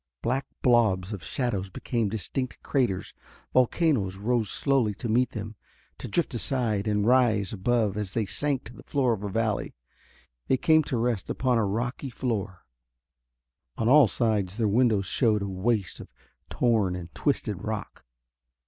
Black blobs of shadow become distinct craters; volcanoes rose slowly to meet them, to drift aside and rise above as they sank to the floor of a valley. They came to rest upon a rocky floor. On all sides their windows showed a waste of torn and twisted rock.